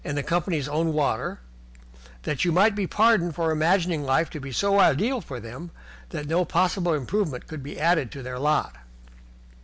and company's own water, that you might be pardoned for imagining life to be so ideal for them that no possible improvement could be added to their lot.